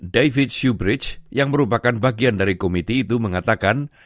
david syubridge yang merupakan bagian dari komiti itu mengatakan